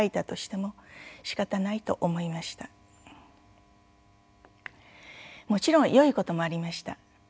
もちろんよいこともありました。